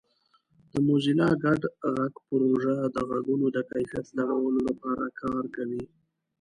د موزیلا ګډ غږ پروژه د غږونو د کیفیت لوړولو لپاره کار کوي.